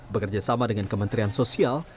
bekerja sama dengan kementerian sosial